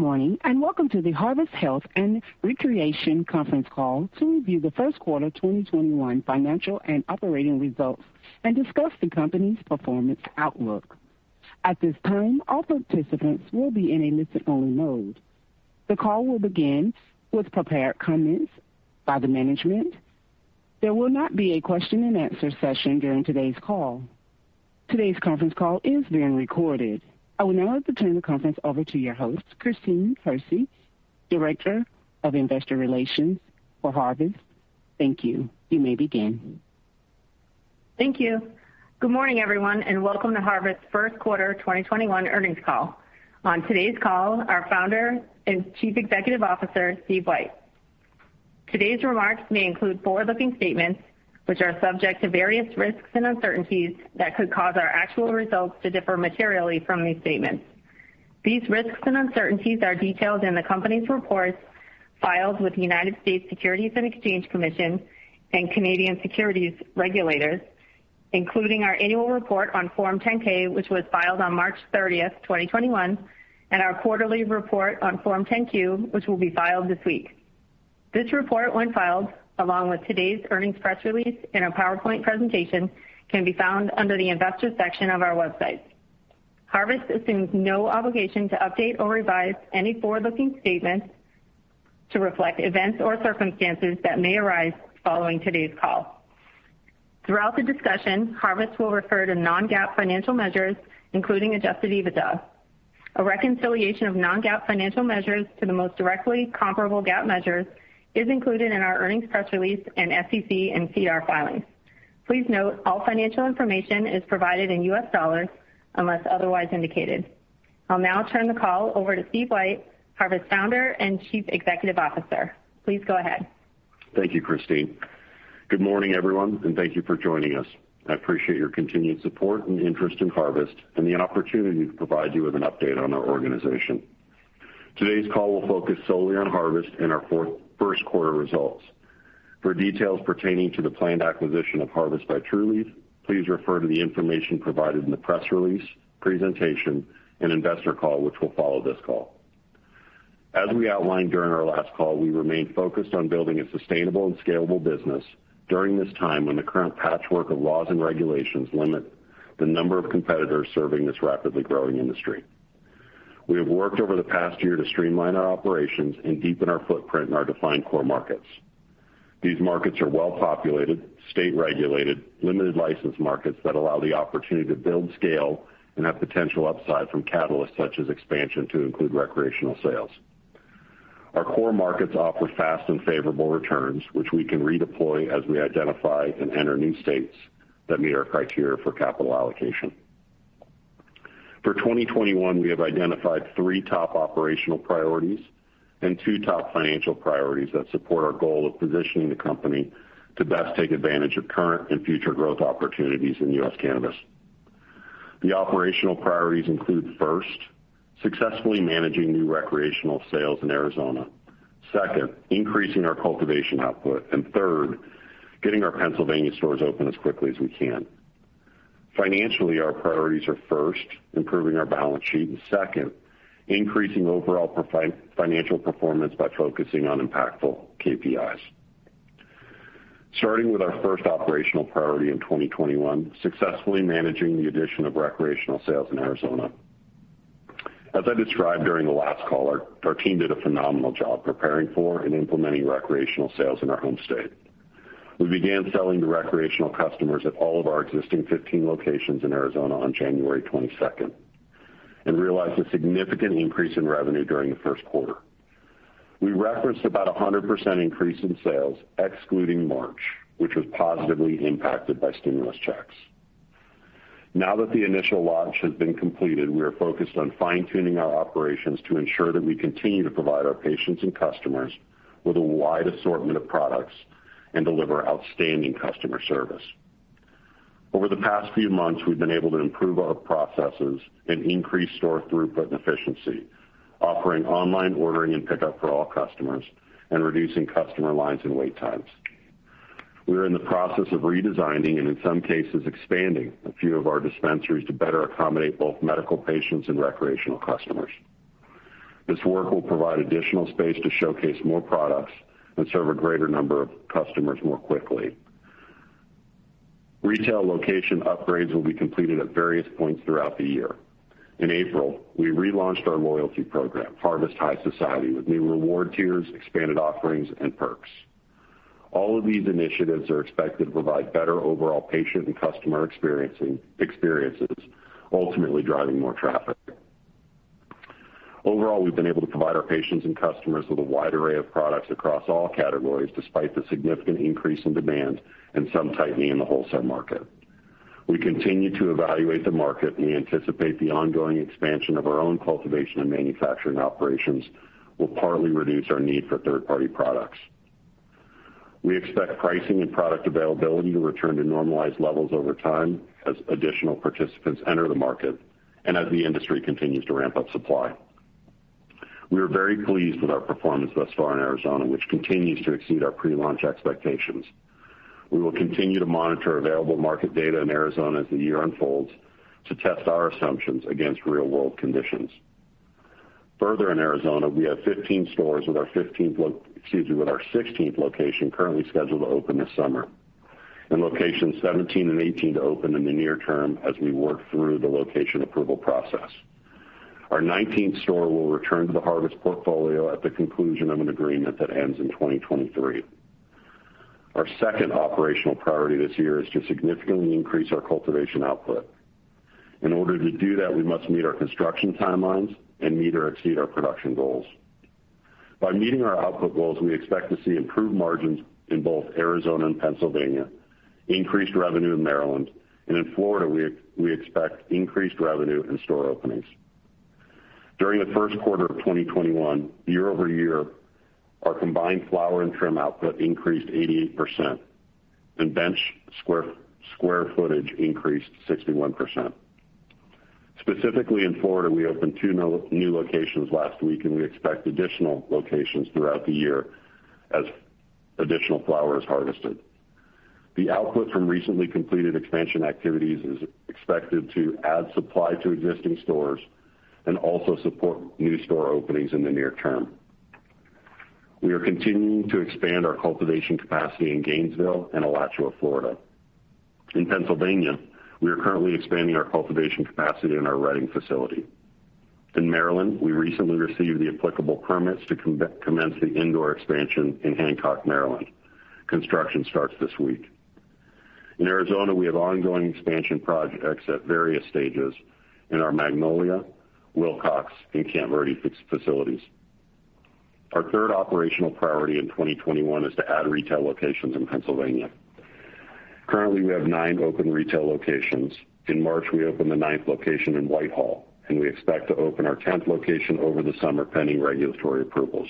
Good morning, and welcome to the Harvest Health & Recreation conference call to review the first quarter 2021 financial and operating results and discuss the company's performance outlook. At this time, all participants will be in a listen-only mode. The call will begin with prepared comments by the management. There will not be a question and answer session during today's call. Today's conference call is being recorded. I would now like to turn the conference over to your host, Christine Hersey, Director of Investor Relations for Harvest. Thank you. You may begin. Thank you. Good morning, everyone, and welcome to Harvest first quarter 2021 earnings call. On today's call, our Founder and Chief Executive Officer, Steve White. Today's remarks may include forward-looking statements, which are subject to various risks and uncertainties that could cause our actual results to differ materially from these statements. These risks and uncertainties are detailed in the company's reports filed with the United States Securities and Exchange Commission and Canadian securities regulators, including our annual report on Form 10-K, which was filed on March 30th, 2021, and our quarterly report on Form 10-Q, which will be filed this week. This report, when filed, along with today's earnings press release and our PowerPoint presentation, can be found under the investor section of our website. Harvest assumes no obligation to update or revise any forward-looking statements to reflect events or circumstances that may arise following today's call. Throughout the discussion, Harvest will refer to non-GAAP financial measures, including adjusted EBITDA. A reconciliation of non-GAAP financial measures to the most directly comparable GAAP measure is included in our earnings press release and SEC and SEDAR filings. Please note, all financial information is provided in US dollars unless otherwise indicated. I'll now turn the call over to Steve White, Harvest founder and Chief Executive Officer. Please go ahead. Thank you, Christine. Good morning, everyone, and thank you for joining us. I appreciate your continued support and interest in Harvest and the opportunity to provide you with an update on our organization. Today's call will focus solely on Harvest and our first quarter results. For details pertaining to the planned acquisition of Harvest by Trulieve, please refer to the information provided in the press release, presentation and investor call, which will follow this call. As we outlined during our last call, we remain focused on building a sustainable and scalable business during this time when the current patchwork of laws and regulations limit the number of competitors serving this rapidly growing industry. We have worked over the past year to streamline our operations and deepen our footprint in our defined core markets. These markets are well-populated, state-regulated, limited license markets that allow the opportunity to build scale and have potential upside from catalysts such as expansion to include recreational sales. Our core markets offer fast and favorable returns, which we can redeploy as we identify and enter new states that meet our criteria for capital allocation. For 2021, we have identified three top operational priorities and two top financial priorities that support our goal of positioning the company to best take advantage of current and future growth opportunities in U.S. cannabis. The operational priorities include, first, successfully managing new recreational sales in Arizona. Second, increasing our cultivation output. Third, getting our Pennsylvania stores open as quickly as we can. Financially, our priorities are, first, improving our balance sheet, and second, increasing overall financial performance by focusing on impactful KPIs. Starting with our first operational priority in 2021, successfully managing the addition of recreational sales in Arizona. As I described during the last call, our team did a phenomenal job preparing for and implementing recreational sales in our home state. We began selling to recreational customers at all of our existing 15 locations in Arizona on January 22nd and realized a significant increase in revenue during the first quarter. We referenced about 100% increase in sales excluding March, which was positively impacted by stimulus checks. Now that the initial launch has been completed, we are focused on fine-tuning our operations to ensure that we continue to provide our patients and customers with a wide assortment of products and deliver outstanding customer service. Over the past few months, we've been able to improve our processes and increase store throughput and efficiency, offering online ordering and pickup for all customers, and reducing customer lines and wait times. We are in the process of redesigning, and in some cases, expanding a few of our dispensaries to better accommodate both medical patients and recreational customers. This work will provide additional space to showcase more products and serve a greater number of customers more quickly. Retail location upgrades will be completed at various points throughout the year. In April, we relaunched our loyalty program, Harvest High Society, with new reward tiers, expanded offerings, and perks. All of these initiatives are expected to provide better overall patient and customer experiences, ultimately driving more traffic. Overall, we've been able to provide our patients and customers with a wide array of products across all categories, despite the significant increase in demand and some tightening in the wholesale market. We continue to evaluate the market, and we anticipate the ongoing expansion of our own cultivation and manufacturing operations will partly reduce our need for third-party products. We expect pricing and product availability to return to normalized levels over time as additional participants enter the market, and as the industry continues to ramp up supply. We are very pleased with our performance thus far in Arizona, which continues to exceed our pre-launch expectations. We will continue to monitor available market data in Arizona as the year unfolds to test our assumptions against real-world conditions. In Arizona, we have 15 stores with our 16th location currently scheduled to open this summer, and locations 17 and 18 to open in the near term as we work through the location approval process. Our 19th store will return to the Harvest portfolio at the conclusion of an agreement that ends in 2023. Our second operational priority this year is to significantly increase our cultivation output. In order to do that, we must meet our construction timelines and meet or exceed our production goals. By meeting our output goals, we expect to see improved margins in both Arizona and Pennsylvania, increased revenue in Maryland, and in Florida, we expect increased revenue and store openings. During the first quarter of 2021, year-over-year, our combined flower and trim output increased 88%, and bench square footage increased 61%. Specifically in Florida, we opened two new locations last week, and we expect additional locations throughout the year as additional flower is harvested. The output from recently completed expansion activities is expected to add supply to existing stores and also support new store openings in the near term. We are continuing to expand our cultivation capacity in Gainesville and Alachua, Florida. In Pennsylvania, we are currently expanding our cultivation capacity in our Reading facility. In Maryland, we recently received the applicable permits to commence the indoor expansion in Hancock, Maryland. Construction starts this week. In Arizona, we have ongoing expansion projects at various stages in our Magnolia, Willcox, and Camp Verde facilities. Our third operational priority in 2021 is to add retail locations in Pennsylvania. Currently, we have nine open retail locations. In March, we opened the ninth location in Whitehall, and we expect to open our 10th location over the summer, pending regulatory approvals,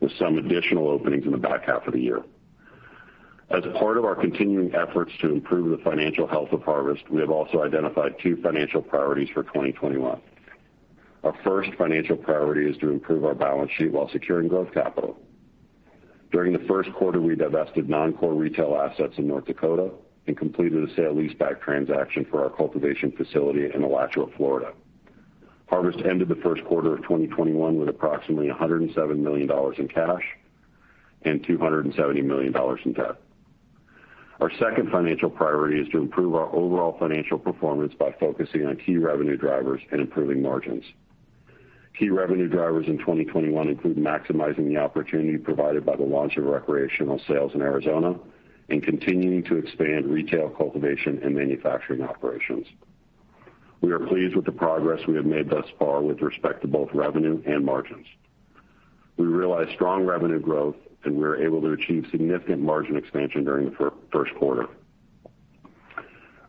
with some additional openings in the back half of the year. As part of our continuing efforts to improve the financial health of Harvest, we have also identified two financial priorities for 2021. Our first financial priority is to improve our balance sheet while securing growth capital. During the first quarter, we divested non-core retail assets in North Dakota and completed a sale leaseback transaction for our cultivation facility in Alachua, Florida. Harvest ended the first quarter of 2021 with approximately $107 million in cash and $270 million in debt. Our second financial priority is to improve our overall financial performance by focusing on key revenue drivers and improving margins. Key revenue drivers in 2021 include maximizing the opportunity provided by the launch of recreational sales in Arizona and continuing to expand retail, cultivation, and manufacturing operations. We are pleased with the progress we have made thus far with respect to both revenue and margins. We realized strong revenue growth, and we were able to achieve significant margin expansion during the first quarter.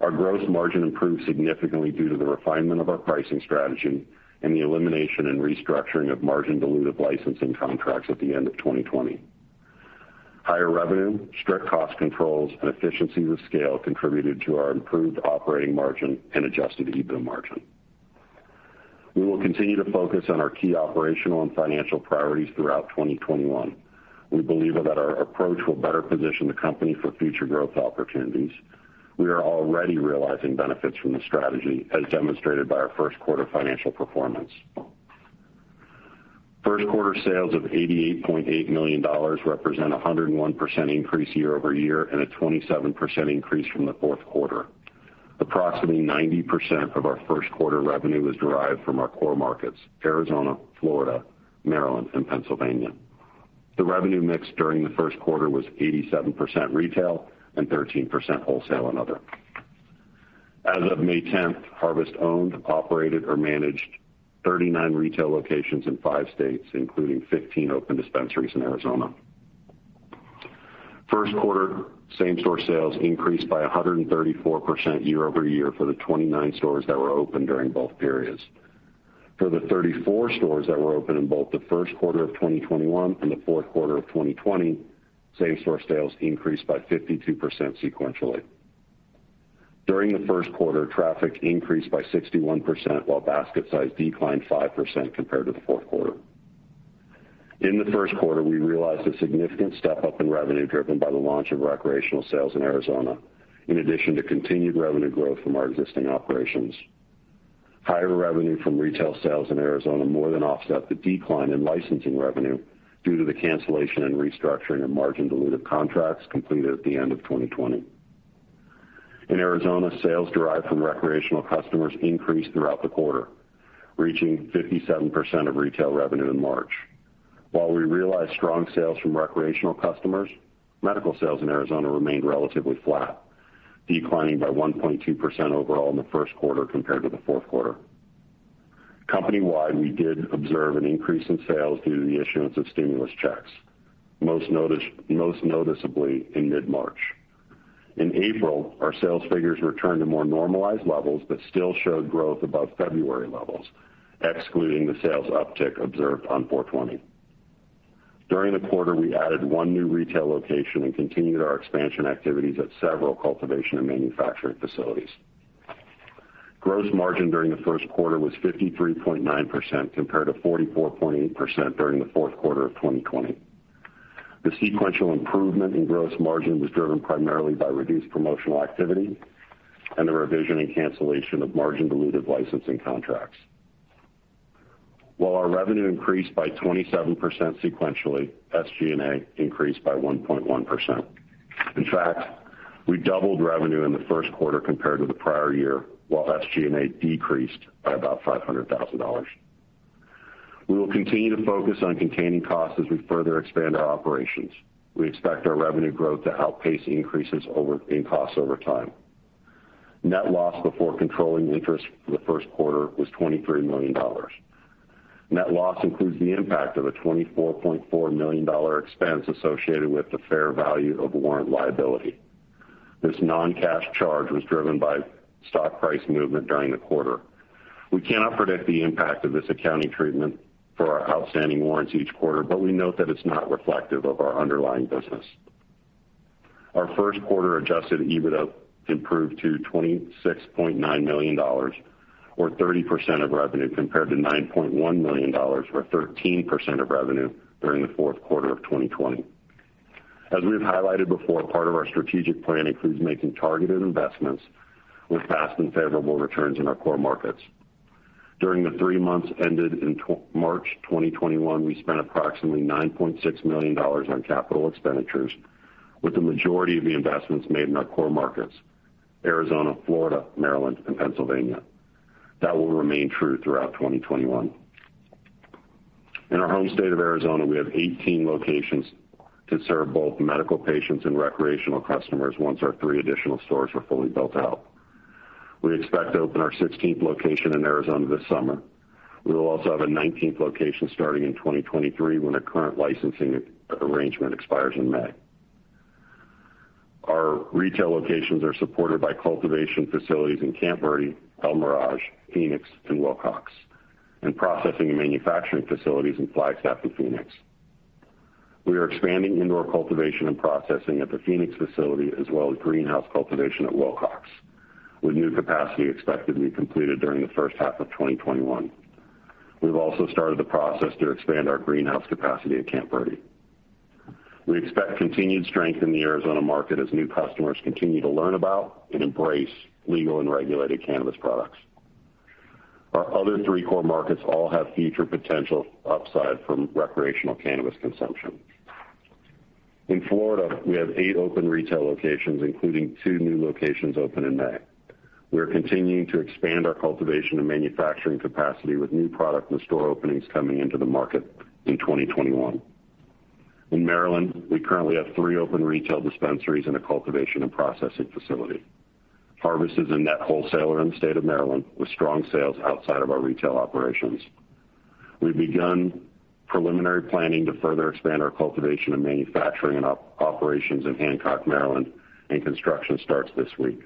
Our gross margin improved significantly due to the refinement of our pricing strategy and the elimination and restructuring of margin-dilutive licensing contracts at the end of 2020. Higher revenue, strict cost controls, and efficiencies of scale contributed to our improved operating margin and adjusted EBIT margin. We will continue to focus on our key operational and financial priorities throughout 2021. We believe that our approach will better position the company for future growth opportunities. We are already realizing benefits from the strategy, as demonstrated by our first quarter financial performance. First quarter sales of $88.8 million represent 101% increase year-over-year and a 27% increase from the fourth quarter. Approximately 90% of our first quarter revenue was derived from our core markets: Arizona, Florida, Maryland, and Pennsylvania. The revenue mix during the first quarter was 87% retail and 13% wholesale and other. As of May 10th, Harvest owned, operated, or managed 39 retail locations in five states, including 15 open dispensaries in Arizona. First quarter same-store sales increased by 134% year-over-year for the 29 stores that were open during both periods. For the 34 stores that were open in both the first quarter of 2021 and the fourth quarter of 2020, same-store sales increased by 52% sequentially. During the first quarter, traffic increased by 61%, while basket size declined 5% compared to the fourth quarter. In the first quarter, we realized a significant step-up in revenue, driven by the launch of recreational sales in Arizona, in addition to continued revenue growth from our existing operations. Higher revenue from retail sales in Arizona more than offset the decline in licensing revenue due to the cancellation and restructuring of margin-dilutive contracts completed at the end of 2020. In Arizona, sales derived from recreational customers increased throughout the quarter, reaching 57% of retail revenue in March. While we realized strong sales from recreational customers, medical sales in Arizona remained relatively flat, declining by 1.2% overall in the first quarter compared to the fourth quarter. Company-wide, we did observe an increase in sales due to the issuance of stimulus checks, most noticeably in mid-March. In April, our sales figures returned to more normalized levels but still showed growth above February levels, excluding the sales uptick observed on 4/20. During the quarter, we added one new retail location and continued our expansion activities at several cultivation and manufacturing facilities. Gross margin during the first quarter was 53.9%, compared to 44.8% during the fourth quarter of 2020. The sequential improvement in gross margin was driven primarily by reduced promotional activity and the revision and cancellation of margin-dilutive licensing contracts. While our revenue increased by 27% sequentially, SG&A increased by 1.1%. In fact, we doubled revenue in the first quarter compared to the prior year, while SG&A decreased by about $500,000. We will continue to focus on containing costs as we further expand our operations. We expect our revenue growth to outpace increases in costs over time. Net loss before controlling interest for the first quarter was $23 million. Net loss includes the impact of a $24.4 million expense associated with the fair value of warrant liability. This non-cash charge was driven by stock price movement during the quarter. We cannot predict the impact of this accounting treatment for our outstanding warrants each quarter, but we note that it's not reflective of our underlying business. Our first quarter adjusted EBITDA improved to $26.9 million, or 30% of revenue, compared to $9.1 million, or 13% of revenue during the fourth quarter of 2020. As we have highlighted before, part of our strategic plan includes making targeted investments with fast and favorable returns in our core markets. During the three months ended in March 2021, we spent approximately $9.6 million on capital expenditures, with the majority of the investments made in our core markets, Arizona, Florida, Maryland, and Pennsylvania. That will remain true throughout 2021. In our home state of Arizona, we have 18 locations to serve both medical patients and recreational customers once our three additional stores are fully built out. We expect to open our 16th location in Arizona this summer. We will also have a 19th location starting in 2023 when a current licensing arrangement expires in May. Our retail locations are supported by cultivation facilities in Camp Verde, El Mirage, Phoenix, and Willcox, and processing and manufacturing facilities in Flagstaff and Phoenix. We are expanding indoor cultivation and processing at the Phoenix facility, as well as greenhouse cultivation at Willcox, with new capacity expected to be completed during the first half of 2021. We've also started the process to expand our greenhouse capacity at Camp Verde. We expect continued strength in the Arizona market as new customers continue to learn about and embrace legal and regulated cannabis products. Our other three core markets all have future potential upside from recreational cannabis consumption. In Florida, we have eight open retail locations, including two new locations opening in May. We are continuing to expand our cultivation and manufacturing capacity with new product and store openings coming into the market in 2021. In Maryland, we currently have three open retail dispensaries and a cultivation and processing facility. Harvest is a net wholesaler in the state of Maryland, with strong sales outside of our retail operations. We've begun preliminary planning to further expand our cultivation and manufacturing operations in Hancock, Maryland, and construction starts this week.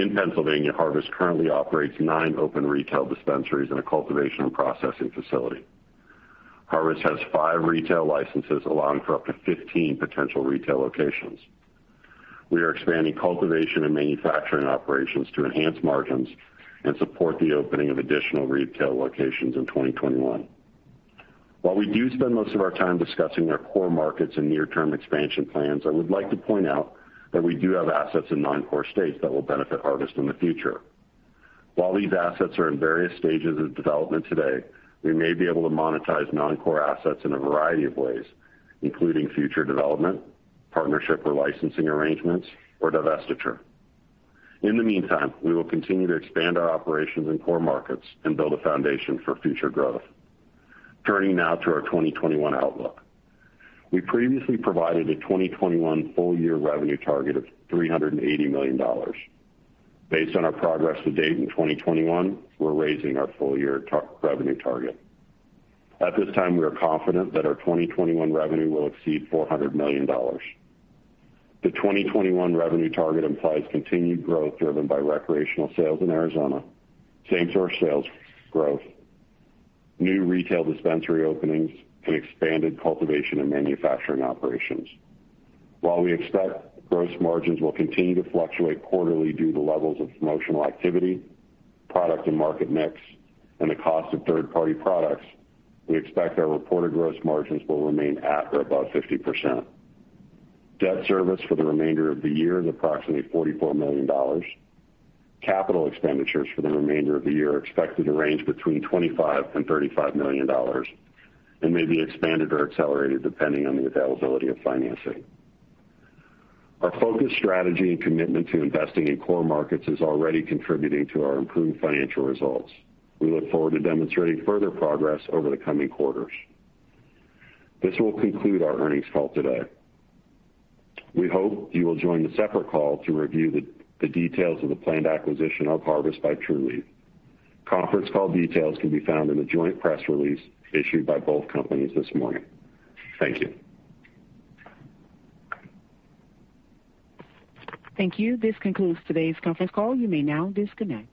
In Pennsylvania, Harvest currently operates nine open retail dispensaries and a cultivation and processing facility. Harvest has five retail licenses, allowing for up to 15 potential retail locations. We are expanding cultivation and manufacturing operations to enhance margins and support the opening of additional retail locations in 2021. While we do spend most of our time discussing our core markets and near-term expansion plans, I would like to point out that we do have assets in non-core states that will benefit Harvest in the future. While these assets are in various stages of development today, we may be able to monetize non-core assets in a variety of ways, including future development, partnership or licensing arrangements, or divestiture. In the meantime, we will continue to expand our operations in core markets and build a foundation for future growth. Turning now to our 2021 outlook. We previously provided a 2021 full-year revenue target of $380 million. Based on our progress to date in 2021, we're raising our full-year revenue target. At this time, we are confident that our 2021 revenue will exceed $400 million. The 2021 revenue target implies continued growth driven by recreational sales in Arizona, same-store sales growth, new retail dispensary openings, and expanded cultivation and manufacturing operations. While we expect gross margins will continue to fluctuate quarterly due to levels of promotional activity, product and market mix, and the cost of third-party products, we expect our reported gross margins will remain at or above 50%. Debt service for the remainder of the year is approximately $44 million. Capital expenditures for the remainder of the year are expected to range between $25 million and $35 million and may be expanded or accelerated depending on the availability of financing. Our focused strategy and commitment to investing in core markets is already contributing to our improved financial results. We look forward to demonstrating further progress over the coming quarters. This will conclude our earnings call today. We hope you will join the separate call to review the details of the planned acquisition of Harvest by Trulieve. Conference call details can be found in the joint press release issued by both companies this morning. Thank you. Thank you. This concludes today's conference call. You may now disconnect.